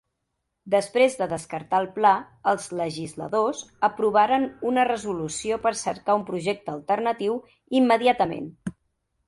Després de descartar el pla, els legisladors aprovaren una resolució per cercar un projecte alternatiu immediatament.